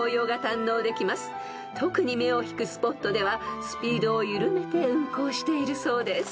［特に目を引くスポットではスピードを緩めて運行しているそうです］